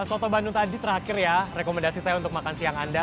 soto bandung tadi terakhir ya rekomendasi saya untuk makan siang anda